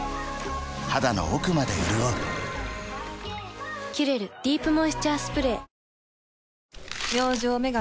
肌の奥まで潤う「キュレルディープモイスチャースプレー」明星麺神